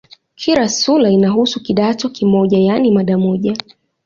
Kila sura inahusu "kidato" kimoja, yaani mada moja.